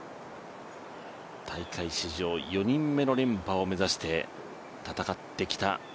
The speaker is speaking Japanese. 大会史上４人目の連覇を目指して戦ってきた